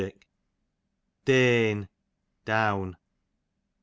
Dane, doivn.